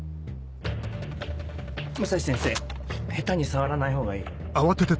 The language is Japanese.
武蔵先生下手に触らない方がいい。